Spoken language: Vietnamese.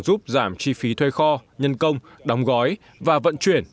giúp giảm chi phí thuê kho nhân công đóng gói và vận chuyển